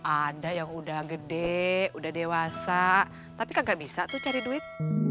ada yang udah gede udah dewasa tapi kan gak bisa tuh cari duit